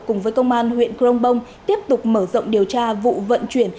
cùng với công an huyện crong bông tiếp tục mở rộng điều tra vụ vận chuyển